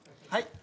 はい？